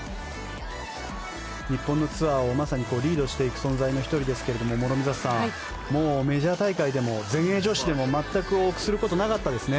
日本のツアーをまさにリードしていく存在の１人ですが諸見里さん、もうメジャー大会でも全英女子でも全く臆することなかったですね。